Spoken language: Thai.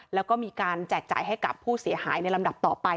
แล้วก็มีการแจกจ่ายให้กับผู้เสียหายในลำดับต่อไป